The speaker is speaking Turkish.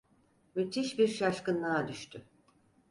Müthiş bir şaşkınlığa düştü.